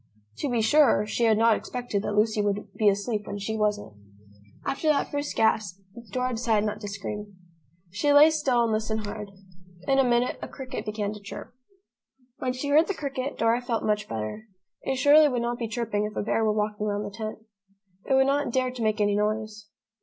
To be sure, she had not expected that Lucy would be asleep when she wasn't. After that first gasp, Dora decided not to scream. She lay still, and listened hard. In a minute, a cricket began to chirp. When she heard the cricket, Dora felt much better. It surely would not be chirping if a bear were walking round the tent. It would not dare to make any noise.